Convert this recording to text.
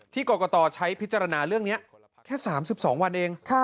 กรกตใช้พิจารณาเรื่องนี้แค่๓๒วันเอง